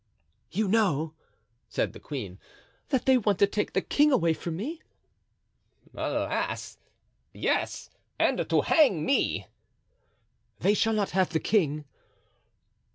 "You know," said the queen, "that they want to take the king away from me?" "Alas! yes, and to hang me." "They shall not have the king."